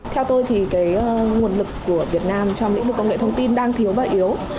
theo tôi thì nguồn lực của việt nam trong lĩnh vực công nghệ thông tin đang thiếu và yếu